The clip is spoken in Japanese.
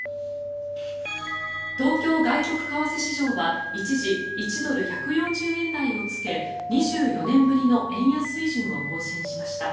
東京外国為替市場は一時、１ドル＝１４０円台をつけ２４年ぶりの円安水準を更新しました。